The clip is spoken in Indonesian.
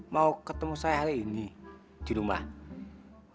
mau ketemu saya hari ini di rumah